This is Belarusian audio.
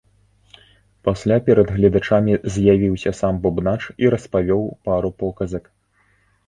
Пасля перад гледачамі з'явіўся сам бубнач і распавёў пару показак.